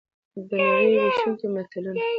دنړۍ ویښوونکي متلونه!